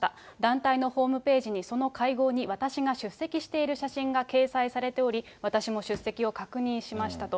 団体のホームページにその会合に私が出席している写真が掲載されており、私も出席を確認しましたと。